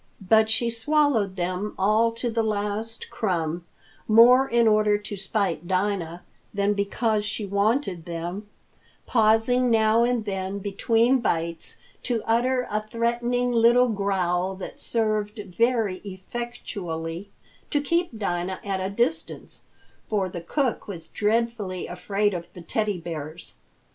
But she swallowed them all to the last crumb, more in order to spite Dinah than because she wanted them, pausing now and then between bites to utter a threatening little growl that served very effectually to keep Dinah at a distance, for the cook was dreadfully afraid of the Teddy Bears.